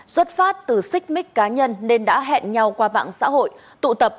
xuất phát từ xích mít cá nhân nên đã hẹn nhau qua mạng xã hội tụ tập